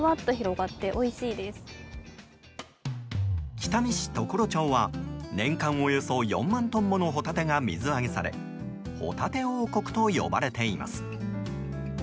北見市常呂町は年間およそ４万トンものホタテが水揚げされホタテ王国と呼ばれています。